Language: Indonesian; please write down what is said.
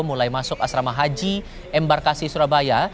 mulai masuk asrama haji embarkasi surabaya